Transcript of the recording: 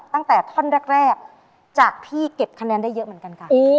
ตั้งแต่ท่อนแรกจากพี่เก็บคะแนนได้เยอะเหมือนกันค่ะ